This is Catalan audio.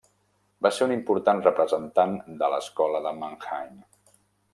Va ser un important representant de l'escola de Mannheim.